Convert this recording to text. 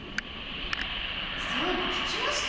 そういえば聞きました？